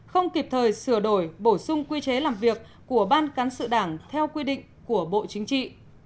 không kịp thời sửa đổi bổ sung quy chế làm việc của ban cán sự đảng theo quy định của bộ chính trị